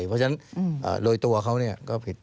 เพราะฉะนั้นโดยตัวเขาก็ผิด